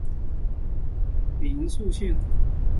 殷栗线